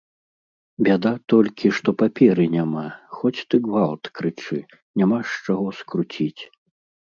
Бяда толькі, што паперы няма, хоць ты гвалт крычы, няма з чаго скруціць.